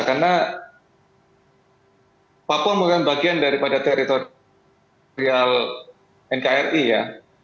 karena papua merupakan bagian daripada teritorial nkri ya